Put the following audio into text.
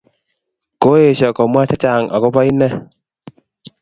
Koesho komwa chechang akoba inet